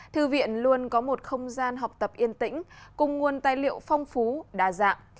thư viện luôn có một không gian học tập yên tĩnh cùng nguồn tài liệu phong phú đa dạng